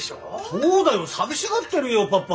そうだよ寂しがってるよパパ。